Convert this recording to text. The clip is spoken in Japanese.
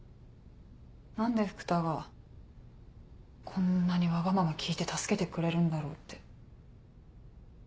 何で福多がこんなにワガママ聞いて助けてくれるんだろうって。